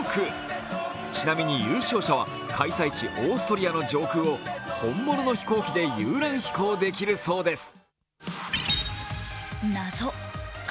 ちなみに優勝者は開催地オーストリアの上空を本物の飛行機で遊覧飛行できるそうです。